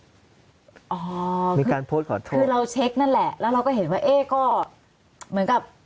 อ๋อคือเราเช็คนั่นแหละแล้วเราก็เห็นว่าเอ๊ะก็เหมือนกับ